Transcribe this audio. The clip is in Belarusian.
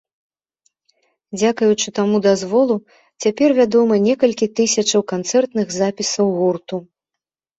Дзякуючы таму дазволу, цяпер вядома некалькі тысячаў канцэртных запісаў гурту.